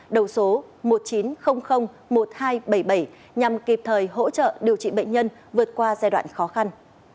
đầu số một chín không không một hai bảy bảy nhằm kịp thời hỗ trợ điều trị bệnh nhân vượt qua giai đoạn khó khăn